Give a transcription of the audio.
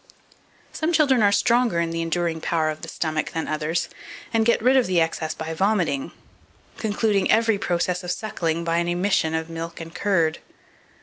2485. Some children are stronger in the enduring power of the stomach than others, and get rid of the excess by vomiting, concluding every process of suckling by an emission of milk and curd.